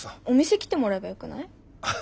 お店来てもらえばよくない？